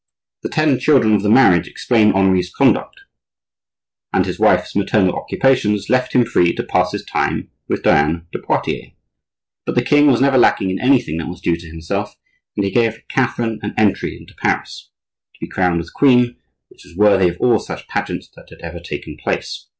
The ten children of the marriage explain Henri's conduct; and his wife's maternal occupations left him free to pass his time with Diane de Poitiers. But the king was never lacking in anything that was due to himself; and he gave Catherine an "entry" into Paris, to be crowned as queen, which was worthy of all such pageants that had ever taken place.